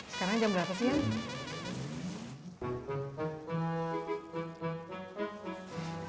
sekarang jam berapa sih